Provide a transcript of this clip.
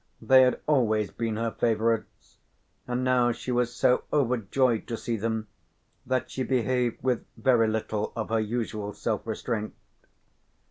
They had always been her favourites, and now she was so overjoyed to see them that she behaved with very little of her usual self restraint.